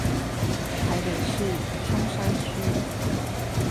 台北市松山區